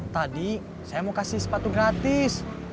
tadi saya mau kasih sepatu gratis